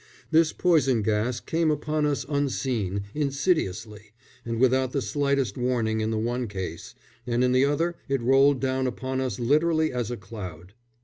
This poison gas came upon us unseen, insidiously, and without the slightest warning in the one case; and in the other it rolled down upon us literally as a cloud.